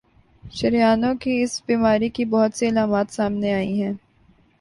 شریانوں کی اس بیماری کی بہت سی علامات سامنے آئی ہیں